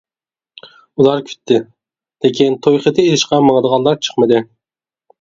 ئۇلار كۈتتى، لېكىن توي خېتى ئېلىشقا ماڭىدىغانلار چىقمىدى.